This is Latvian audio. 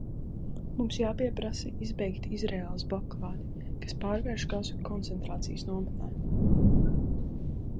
Mums jāpieprasa izbeigt Izraēlas blokādi, kas pārvērš Gazu koncentrācijas nometnē.